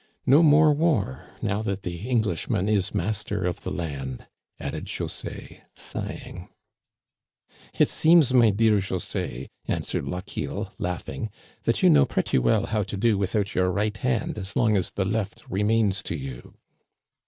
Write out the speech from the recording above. No more war now that the Englishman is master of the land," added José, sighing. Digitized by VjOOQIC 2li THE CANADIANS OF OLD. " It seems» my dear José," answered Lochiel, laughing, " that you know pretty well how to do with out your right hand as long as the left remains to you."